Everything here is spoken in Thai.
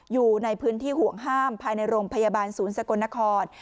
อยู่ในพื้นที่ห่วงห้ามภายในโรงพยาบาลศูนย์สกลนคร